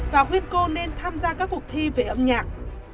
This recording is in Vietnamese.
và khuyên cô nên tham gia các cuộc thi về âm nhạc